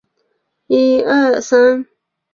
最终阶级陆军中将。